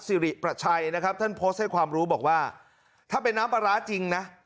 สิริประชัยนะครับท่านโพสต์ให้ความรู้บอกว่าถ้าเป็นน้ำปลาร้าจริงนะ